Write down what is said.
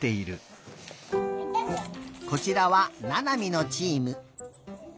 こちらはななみのチーム。